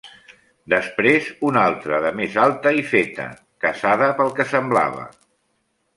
Després una altra de més alta i feta, casada pel que semblava.